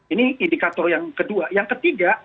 ini indikator yang kedua yang ketiga